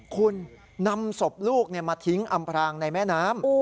คุณนำศพลูกมาทิ้งอำพรางในแม่น้ำ